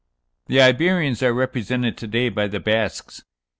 The Iberians are represented to day by the Basques.